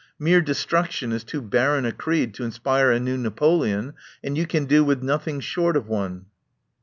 Mere de struction is too barren a creed to inspire a new Napoleon, and you can do with nothing short of one."